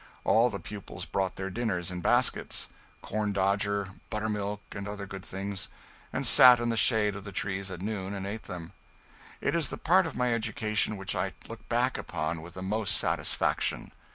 All the pupils brought their dinners in baskets corn dodger, buttermilk and other good things and sat in the shade of the trees at noon and ate them. It is the part of my education which I look back upon with the most satisfaction.